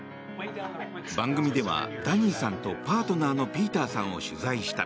番組ではダニーさんとパートナーのピーターさんを取材した。